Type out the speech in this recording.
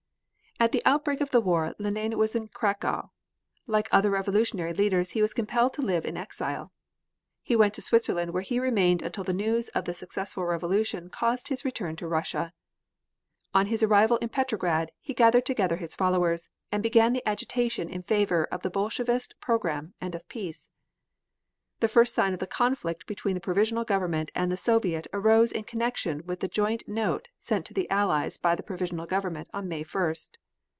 At the outbreak of the war Lenine was in Cracow. Like other revolutionary leaders he was compelled to live in exile. He went to Switzerland where he remained until the news of the successful revolution caused his return to Russia. On his arrival in Petrograd he gathered together his followers and began the agitation in favor of the Bolshevist program and of peace. The first sign of the conflict between the Provisional Government and the Soviet arose in connection with the joint note sent to the Allies by the Provisional Government on May 1st.